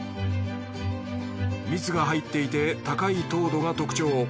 蜜が入っていて高い糖度が特徴。